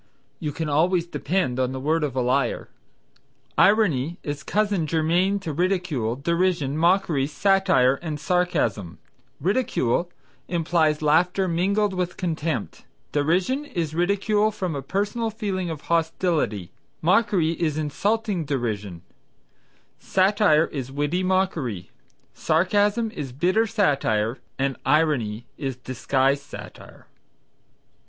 "You can always depend upon the word of a liar." Irony is cousin germain to ridicule, derision, mockery, satire and sarcasm. Ridicule implies laughter mingled with contempt; derision is ridicule from a personal feeling of hostility; mockery is insulting derision; satire is witty mockery; sarcasm is bitter satire and irony is disguised satire.